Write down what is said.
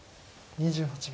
２８秒。